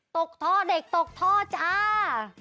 ตกท่อเด็กตกท่อจ้า